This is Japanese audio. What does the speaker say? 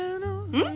うん？